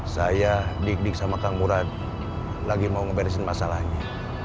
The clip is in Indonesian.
saya dik dik sama kang murad lagi mau ngeberesin masalahnya